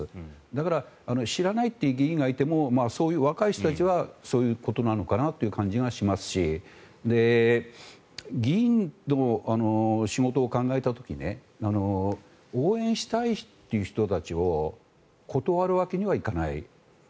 だから知らないという議員がいてもそういう若い人たちはそういうことなのかなという感じがしますし議員の仕事を考えた時に応援したいという人たちを断るわけにはいかない。